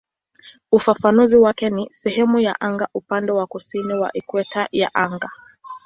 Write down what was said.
Ufafanuzi wake ni "sehemu ya anga upande wa kusini wa ikweta ya anga".